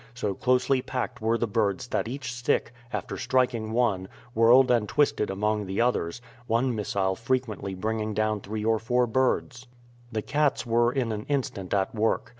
So closely packed were the birds that each stick, after striking one, whirled and twisted among the others, one missile frequently bringing down three or four birds. The cats were in an instant at work.